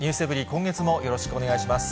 今月もよろしくお願いします。